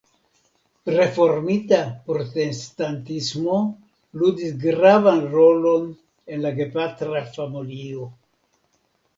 Reformita Protestantismo ludis gravan rolon en la gepatra familio.